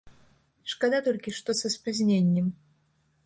Шкада толькі, што са спазненнем.